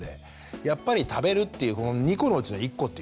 やっぱり食べるっていうこの２個のうちの１個っていうね。